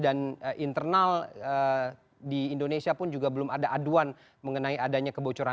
dan internal di indonesia pun juga belum ada aduan mengenai adanya kebocoran data